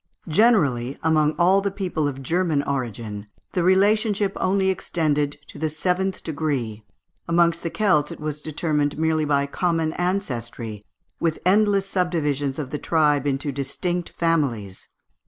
Generally, amongst all the people of German origin, the relationship only extended to the seventh degree; amongst the Celts it was determined merely by a common ancestry, with endless subdivisions of the tribe into distinct families.